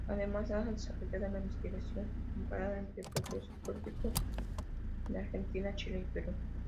Además ha desarrollado la investigación comparada, entre procesos políticos en Argentina, Chile y Perú.